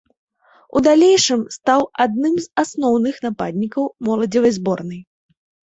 У далейшым стаў адным з асноўных нападнікаў моладзевай зборнай.